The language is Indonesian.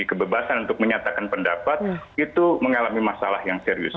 kebebasan untuk menyatakan pendapat itu mengalami masalah yang serius